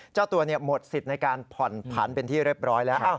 เจ้าตัวหมดสิทธิ์ในการผ่อนผันเป็นที่เรียบร้อยแล้ว